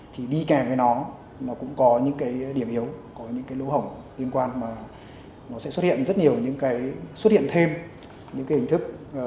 thì đi kèm với nó nó cũng có những cái điểm yếu có những cái lỗ hổng liên quan mà nó sẽ xuất hiện rất nhiều những cái xuất hiện thêm những cái hình thức